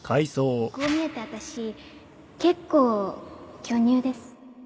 こう見えて私結構巨乳です